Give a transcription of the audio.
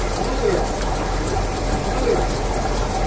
"Mother," cried Bertram, "mother!"